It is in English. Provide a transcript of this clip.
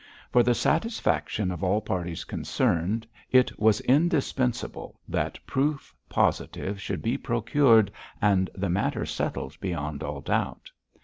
For the satisfaction of all parties concerned, it was indispensable that proof positive should be procured, and the matter settled beyond all doubt.